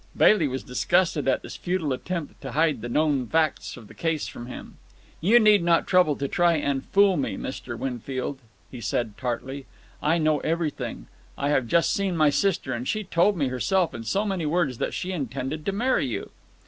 Bailey was disgusted at this futile attempt to hide the known facts of the case from him. "You need not trouble to try and fool me, Mr. Winfield," he said tartly. "I know everything. I have just seen my sister, and she told me herself in so many words that she intended to marry you."